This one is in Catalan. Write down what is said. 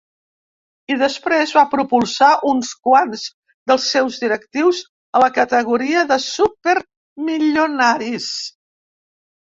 I després va propulsar uns quants dels seus directius a la categoria de supermilionaris.